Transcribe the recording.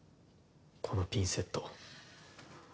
このピンセット。